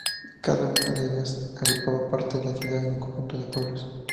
Cada una de ellas agrupa partes de la ciudad y un conjunto de pueblos.